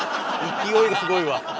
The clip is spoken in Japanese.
勢いがすごいわ。